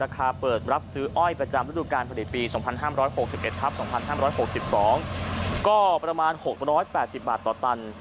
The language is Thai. ก็ประมาณ๖๘๐บาทต่อตัน